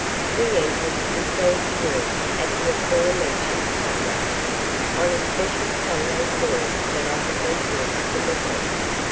We entered and fell to work at the aforementioned typewriter, on a special Sunday story that I had been forced to neglect.